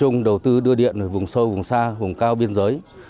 tổng công ty điện lực miền bắc đã đầu tư điện về vùng sâu vùng xa vùng cao biên giới